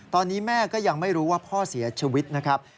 ตอนนี้แม่ก็ยังไม่รู้ว่าพ่อเสียชีวิตนะครับ